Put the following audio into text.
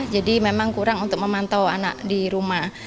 jadi memang kurang untuk memantau anak di rumah